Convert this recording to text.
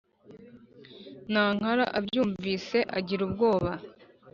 nankana abyumvise agira ubwoba,